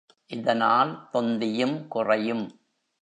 இதனால் தொந்தியும் குறையும்.